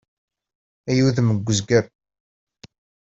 Ay udem n uzger!